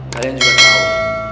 kalian juga tau